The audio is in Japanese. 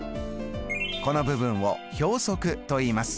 この部分を表側といいます。